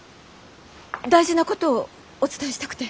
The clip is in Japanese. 大事なことをお伝えしたくて。